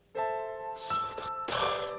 そうだった。